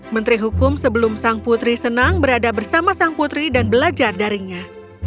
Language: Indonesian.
menteri hukum sebelum sang putri senang berada bersama sang putri dan belajar darinya